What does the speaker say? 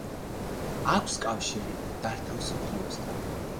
აქვს კავშირი მკვდართა მსოფლიოსთან.